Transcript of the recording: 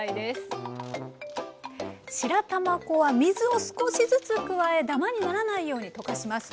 白玉粉は水を少しずつ加えダマにならないように溶かします。